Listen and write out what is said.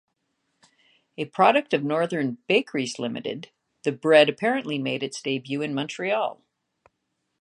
A product of Northern Bakeries Limited, the bread apparently made its debut in Montreal.